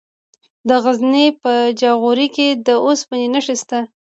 د غزني په جاغوري کې د اوسپنې نښې شته.